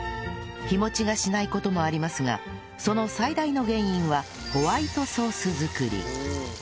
日持ちがしない事もありますがその最大の原因はホワイトソース作り